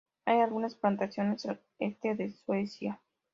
Hay algunas plantaciones al este de Suiza.